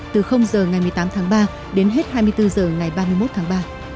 từ h ngày một mươi tám tháng ba đến hết hai mươi bốn h ngày ba mươi một tháng ba